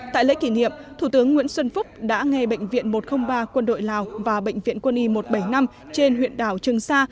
tại lễ kỷ niệm thủ tướng nguyễn xuân phúc đã nghe bệnh viện một trăm linh ba quân đội lào và bệnh viện quân y một trăm bảy mươi năm trên huyện đảo trường sa